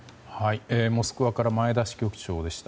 モスクワから前田支局長でした。